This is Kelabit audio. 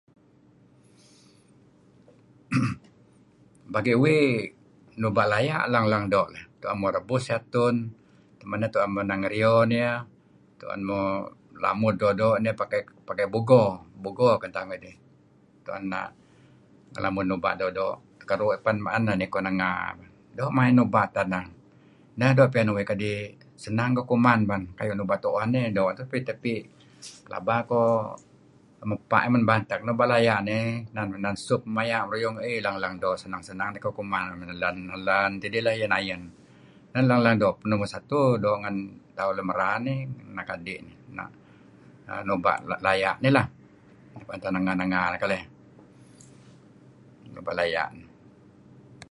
Bagi' uih, nuba' laya' leng-leng doo'. Tu'en muh rebus ieh atun. Pengeh ineh tu'en muh ngerio nier. Tu'en muh lamud doo'-doo' nieh pakai bugo. Bugo ken tauh ngidih. Tu'en na' ngelamud nuba' doo'-doo'. [Te]keru' ieh pen neh niko nenga. Doo' main nuba' tu'en neh... neh doo' pian uih kadi senang iko kuman bah. Kayu' nuba' tu'eh nih doo' tapi, tapi plaba ko mepa' mem batek nih. Nuba' laya' nih inan sup maya' ruyung iih leng-leng doo' senang-senang tiko kuman. En muh nelen, nel...en tidih leh... ayen-ayen. Neh neh leng- leng numur satu doo' ngen tauh lun merar nih, anak adi' ... nuba' laya' nih... nuba' laya. Senang senang toko kuman.